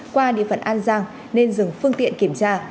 qua địa phận an giang nên dừng phương tiện kiểm tra